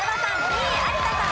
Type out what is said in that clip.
２位有田さん